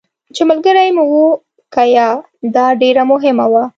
چې ملګري مو وو که یا، دا ډېره مهمه وه.